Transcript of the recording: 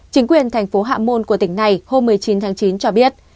chính quyền thành phố hạ môn của tỉnh này hôm một mươi chín tháng chín cho biết